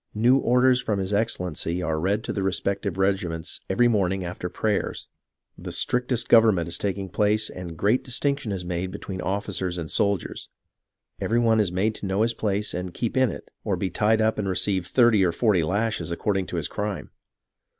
New orders from his excellency are read to the respective regiments every morn ing after prayers. The strictest government is taking place and great distinction is made between officers and soldiers. Every one is made to know his place and keep in it, or be tied up and receive thirty or forty lashes according to his crime.